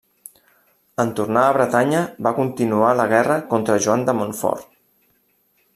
En tornar a Bretanya va continuar la guerra contra Joan de Montfort.